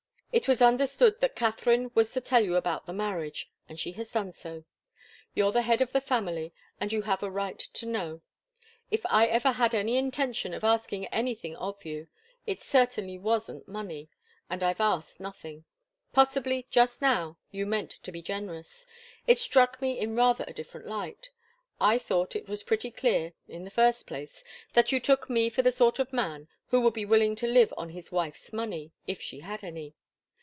It was understood that Katharine was to tell you about the marriage, and she has done so. You're the head of the family, and you have a right to know. If I ever had any intention of asking anything of you, it certainly wasn't money. And I've asked nothing. Possibly, just now, you meant to be generous. It struck me in rather a different light. I thought it was pretty clear, in the first place, that you took me for the sort of man who would be willing to live on his wife's money, if she had any.